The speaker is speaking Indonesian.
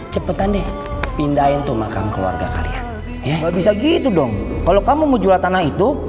cepetan deh pindahin tuh makam keluarga kalian ya bisa gitu dong kalau kamu mau jual tanah itu